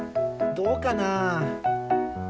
どうかな？